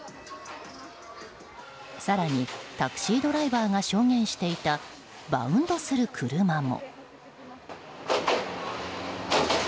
更にタクシードライバーが証言していたバウンドする車も。